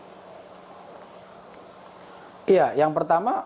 pendapat anda bang muradi